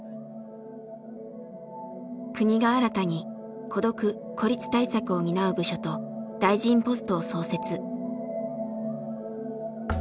国が新たに孤独・孤立対策を担う部署と大臣ポストを創設。